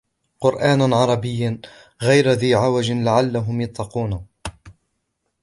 قُرْآنًا عَرَبِيًّا غَيْرَ ذِي عِوَجٍ لَعَلَّهُمْ يَتَّقُونَ